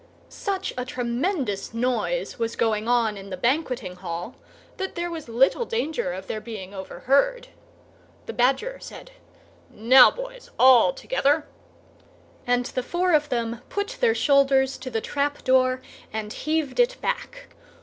Such a tremendous noise was going on in the banqueting hall that there was little danger of their being overheard. The Badger said, "Now, boys, all together!" and the four of them put their shoulders to the trap door and heaved it back.